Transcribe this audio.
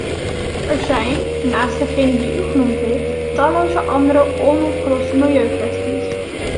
Er zijn, naast degene die u genoemd heeft, talloze andere onopgeloste milieukwesties.